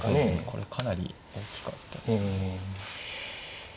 これはかなり大きかったですね。